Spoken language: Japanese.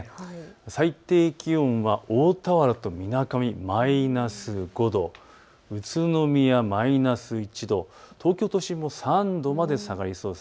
最低気温は大田原とみなかみマイナス５度、宇都宮マイナス１度、東京都心も３度まで下がりそうです。